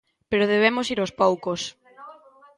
Pero debemos ir aos poucos.